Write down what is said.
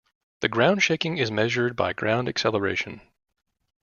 The ground-shaking is measured by ground acceleration.